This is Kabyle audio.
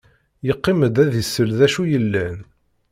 Yeqqim-d ad isel d acu yellan.